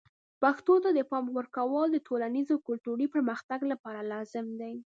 پښتو ته د پام ورکول د ټولنیز او کلتوري پرمختګ لپاره لازم دي.